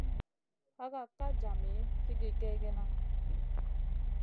Hakak ka djami sigi kegena.